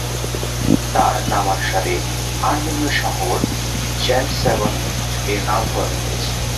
তার নামানুসারে আর্মেনীয় শহর চ্যারেন্টস্যাভন-এর নামকরণ হয়েছে।